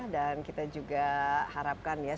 dan kita juga harapkan ya